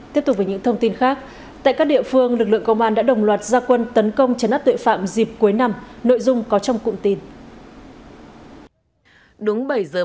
tiếp tục với những thông tin khác tại các địa phương lực lượng công an đã đồng loạt gia quân tấn công chấn áp tuệ phạm dịp cuối năm nội dung có trong cụm tin